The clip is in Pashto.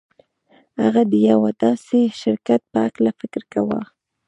هغه د يوه داسې شرکت په هکله فکر کاوه.